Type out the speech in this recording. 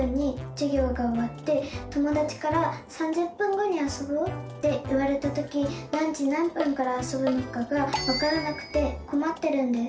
友だちから「３０分後にあそぼう」って言われたとき何時何分からあそぶのかがわからなくてこまってるんです。